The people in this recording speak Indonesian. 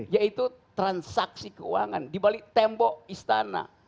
yaitu transaksi keuangan di balik tembok istana